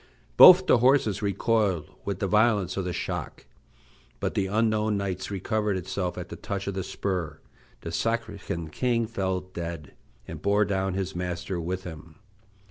Both the horses recoiled with the violence of the shock; but the unknown knight's recovered itself at the touch of the spur; the Saracen king's fell dead, and bore down his master with him.